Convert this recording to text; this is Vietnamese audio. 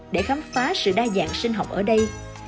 để khám phá sự đa dạng sinh học ở đây